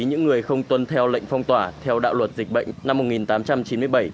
những người không tuân theo lệnh phong tỏa theo đạo luật dịch bệnh năm một nghìn tám trăm chín mươi bảy